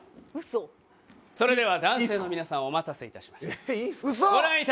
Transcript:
それでは男性の皆さんお待たせしました。